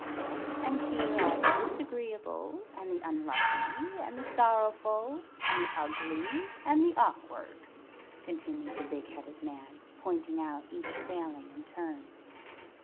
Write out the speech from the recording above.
"And here are the Disagreeable, and the Unlucky, and the Sorrowful, and the Ugly, and the Awkward," continued the big headed man, pointing out each Failing in turn.